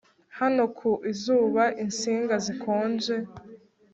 hano ku zuba insinga zikonje